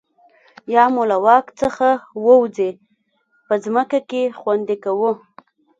یا مو له واک څخه ووځي په ځمکه کې خوندي کوو.